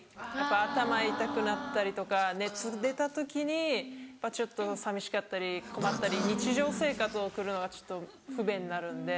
頭痛くなったりとか熱出た時にちょっと寂しかったり困ったり日常生活を送るのがちょっと不便になるんで。